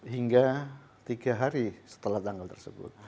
hingga tiga hari setelah tanggal tersebut